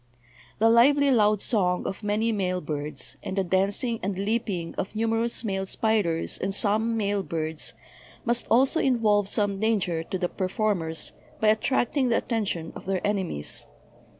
The lively loud song of many male birds, and the dancing and leaping of numerous male spiders and some male birds must also involve some danger to the perform ers by attracting the attention of their enemies.